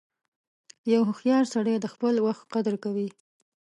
• یو هوښیار سړی د خپل وخت قدر کوي.